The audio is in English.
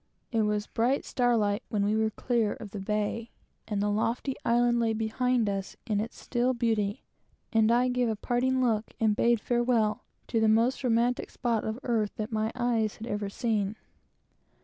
It was bright starlight when we were clear of the bay, and the lofty island lay behind us, in its still beauty, and I gave a parting look, and bid farewell, to the most romantic spot of earth that my eyes had ever seen.